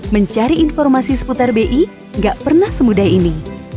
mencari informasi seputar bi nggak pernah semudah ini